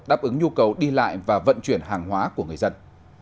đáp ứng nhu cầu đi lại và vận chuyển hàng hóa của người dân